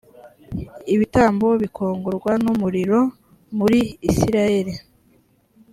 ibitambo bikongorwa n umuriro muri isirayeli